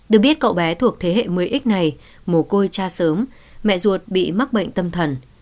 được biết cậu bé thuộc thế hệ mới x này mồ côi cha sớm mẹ ruột bị mắc bệnh tâm thần